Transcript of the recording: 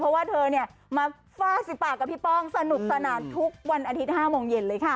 เพราะว่าเธอมาฟาดสิบปากกับพี่ป้องสนุกสนานทุกวันอาทิตย์๕โมงเย็นเลยค่ะ